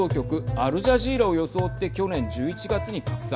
アルジャジーラを装って去年１１月に拡散。